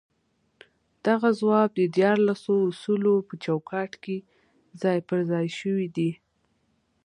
دغه ځواب د ديارلسو اصولو په چوکاټ کې ځای پر ځای شوی دی.